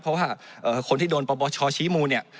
เพราะว่าคนที่โดนปปชชี้มูลเนี่ย